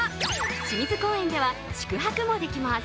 清水公園では宿泊もできます。